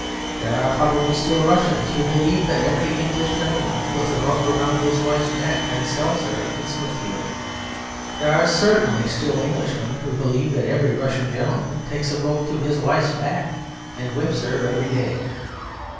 There are probably still Russians who believe that every English gentleman puts a rope round his wife's neck and sells her in Smithfield. There are certainly still Englishmen who believe that every Russian gentleman takes a rope to his wife's back and whips her every day.